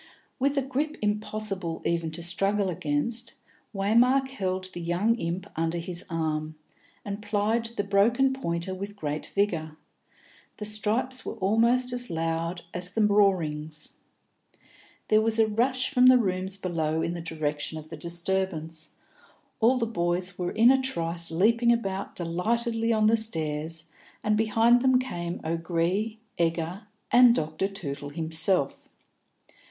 With a grip impossible even to struggle against, Waymark held the young imp under his arm, and plied the broken pointer with great vigour; the stripes were almost as loud as the roarings. There was a rush from the rooms below in the direction of the disturbance; all the boys were in a trice leaping about delightedly on the stairs, and behind them came O'Gree, Egger, and Dr. Tootle himself.